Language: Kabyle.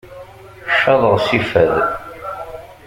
Caḍeɣ si fad.